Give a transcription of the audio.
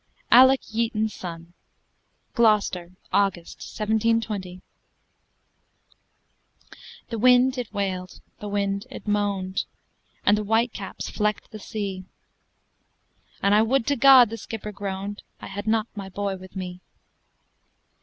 ALEC YEATON'S SON GLOUCESTER, AUGUST, 1720 /* The wind it wailed, the wind it moaned, And the white caps flecked the sea; "An' I would to God," the skipper groaned, "I had not my boy with me!"